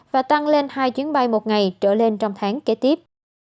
và tăng lên hai chuyến bay một ngày trở lên trong tháng kế tiếp